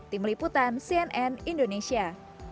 tim liputan cnn indonesia